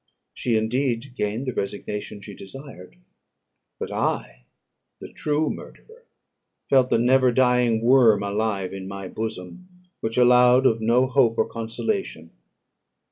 She indeed gained the resignation she desired. But I, the true murderer, felt the never dying worm alive in my bosom, which allowed of no hope or consolation.